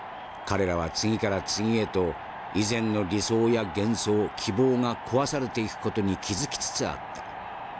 彼らは次から次へと以前の理想や幻想希望が壊されていく事に気付きつつあった。